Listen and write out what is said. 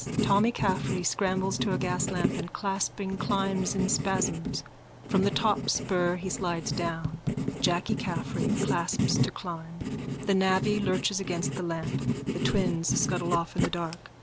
Tommy Caffrey scrambles to a gaslamp and, clasping, climbs in spasms. From the top spur he slides down. Jacky Caffrey clasps to climb. The navvy lurches against the lamp. The twins scuttle off in the dark.